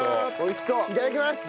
いただきます！